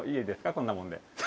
こんなもんで。